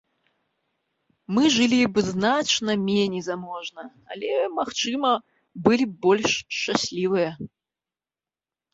Мы жылі б значна меней заможна, але, магчыма, былі б больш шчаслівыя.